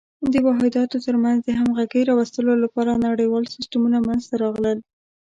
د واحداتو تر منځ د همغږۍ راوستلو لپاره نړیوال سیسټمونه منځته راغلل.